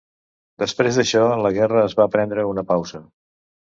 Després d'això la guerra es va prendre una pausa.